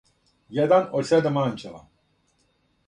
један од седам анђела